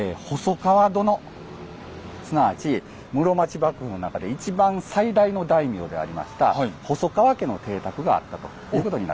すなわち室町幕府の中で一番最大の大名でありました細川家の邸宅があったということになります。